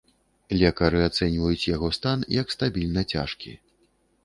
Лекары ацэньваюць яго стан як стабільна цяжкі.